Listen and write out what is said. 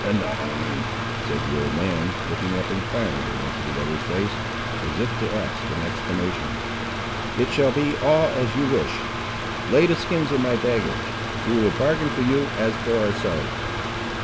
"Anan!" said the old man, looking up enquiringly into the other's face, as if to ask an explanation. "It shall all be as you wish. Lay the skins with my baggage. We will bargain for you as for ourselves."